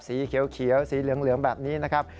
สีเขียวสีเหลืองแบบนี้นะครับ